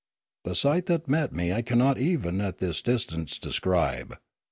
The sight that met me I cannot even at this distance describe.